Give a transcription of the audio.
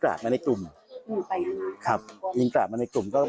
ไม่ใช่ไม่มีครับไม่มีครับ